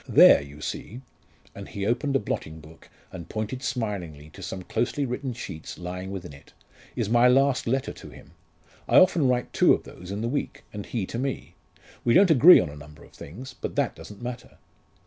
There, you see " and he opened a blotting book and pointed smiling to some closely written sheets lying within it "is my last letter to him. I often write two of those in the week, and he to me. We don't agree on a number of things, but that doesn't matter."